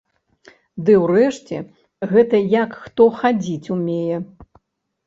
Ды ўрэшце, гэта як хто хадзіць умее.